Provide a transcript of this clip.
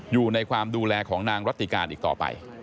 อยู่ในความดูแลของนางรัติการอีกต่อไป